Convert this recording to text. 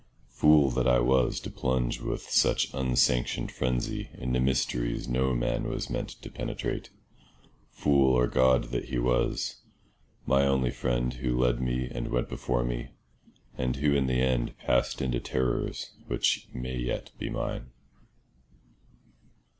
Fool that I was to plunge with such unsanctioned phrensy into mysteries no man was meant to penetrate; fool or god that he was—my only friend, who led me and went before me, and who in the end passed into terrors which may yet be mine.